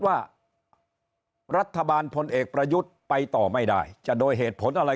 ว่ารัฐบาลพลเอกประยุทธ์ไปต่อไม่ได้จะโดยเหตุผลอะไร